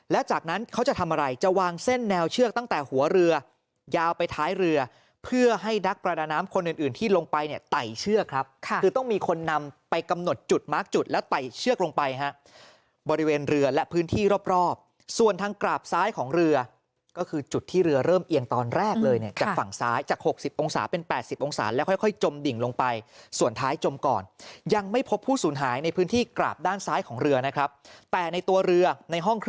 และจากนั้นเขาจะทำอะไรจะวางเส้นแนวเชือกตั้งแต่หัวเรือยาวไปท้ายเรือเพื่อให้ดักประดาน้ำคนอื่นที่ลงไปเนี่ยไต่เชือกครับค่ะคือต้องมีคนนำไปกำหนดจุดมาร์คจุดแล้วไต่เชือกลงไปฮะบริเวณเรือและพื้นที่รอบส่วนทางกราบซ้ายของเรือก็คือจุดที่เรือเริ่มเอียงตอนแรกเลยเนี่ยจากฝั่งซ้ายจาก๖๐องศาเป็น๘๐